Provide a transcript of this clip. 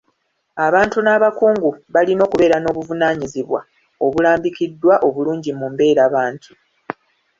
Abantu n'abakungu balina okubeera n'obuvunaanyizibwa obulambikiddwa obulungi mu mbeerabantu.